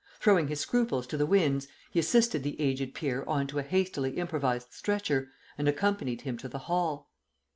Throwing his scruples to the winds, he assisted the aged peer on to a hastily improvised stretcher and accompanied him to the Hall.